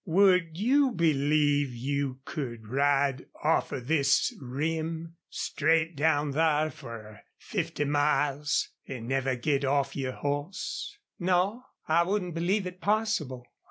Would you believe you could ride offer this rim, straight down thar fer fifty miles, an' never git off your hoss?" "No, I wouldn't believe it possible."